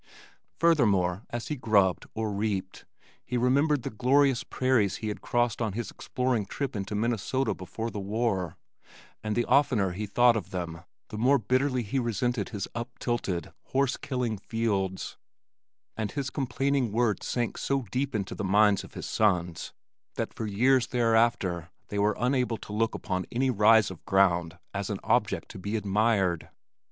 Furthermore, as he grubbed or reaped he remembered the glorious prairies he had crossed on his exploring trip into Minnesota before the war, and the oftener he thought of them the more bitterly he resented his up tilted, horse killing fields, and his complaining words sank so deep into the minds of his sons that for years thereafter they were unable to look upon any rise of ground as an object to be admired.